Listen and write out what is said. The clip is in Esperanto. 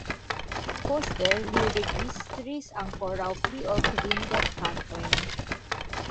Poste li registris ankoraŭ pli ol kvindek kantojn.